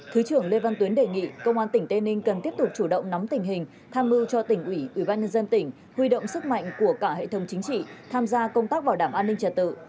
thứ trưởng lê văn tuyến đề nghị công an tỉnh tây ninh cần tiếp tục chủ động nắm tình hình tham mưu cho tỉnh ủy ủy ban nhân dân tỉnh huy động sức mạnh của cả hệ thống chính trị tham gia công tác bảo đảm an ninh trật tự